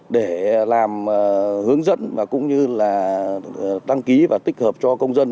để làm hướng dẫn và cũng như là đăng ký và tích hợp cho công dân